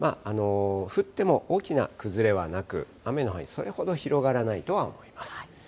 降っても大きな崩れはなく、雨の範囲、それほど広がらないとは思います。